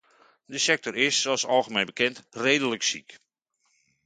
De sector is, zoals algemeen bekend, redelijk ziek.